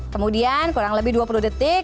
kemudian kurang lebih dua puluh detik